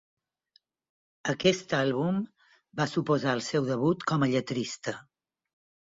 Aquest àlbum va suposar el seu debut com a lletrista.